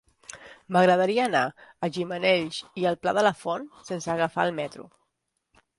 M'agradaria anar a Gimenells i el Pla de la Font sense agafar el metro.